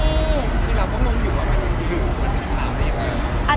คือเราก็งงอยู่ว่ามันยังอยู่กว่าที่เราเอง